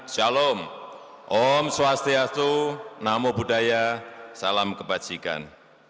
shalom om swastiastu namo buddhaya salam kebajikan